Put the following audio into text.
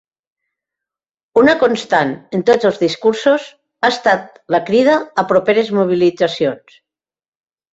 Una constant en tots els discursos ha estat la crida a properes mobilitzacions.